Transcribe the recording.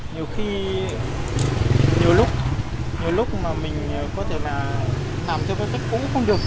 nhiều khi nhiều lúc nhiều lúc mà mình có thể là làm theo cái cách cũng không được